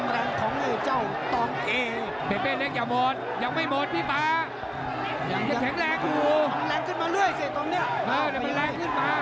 กระหยัดเยอะเกินแล้วหมดโยงหมดโยง